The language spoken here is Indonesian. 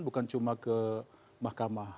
bukan cuma ke mahkamah